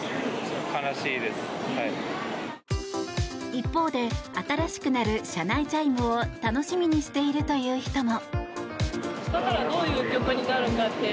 一方で新しくなる車内チャイムを楽しみにしているという人も。